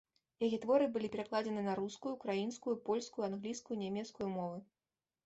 Яе творы былі перакладзены на рускую, украінскую, польскую, англійскую, нямецкую мовы.